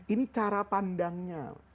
ini cara pandangnya